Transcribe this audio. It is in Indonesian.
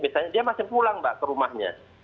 misalnya dia masih pulang mbak ke rumahnya